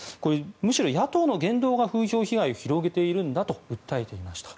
むしろ野党の言動が風評被害を広げているんだと訴えていました。